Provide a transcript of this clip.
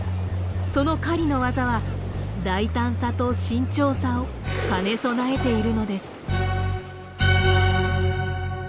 その狩りの技は大胆さと慎重さを兼ね備えているのです。